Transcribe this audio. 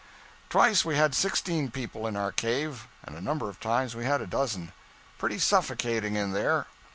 'Twice we had sixteen people in our cave; and a number of times we had a dozen. Pretty suffocating in there.